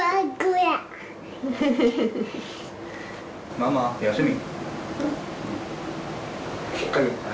ママ休み。